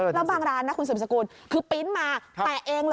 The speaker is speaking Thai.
แล้วบางร้านนะคุณสืบสกุลคือปริ้นต์มาแตะเองเลย